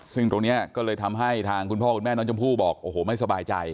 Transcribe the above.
ซึ่งตรงนี้ก็เลยทำให้ทางคุณพ่อคุณแม่น้องชมพู่บอกโอ้โหไม่สบายใจ